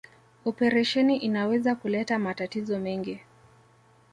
Operesheni inaweza kuleta matatizo mengi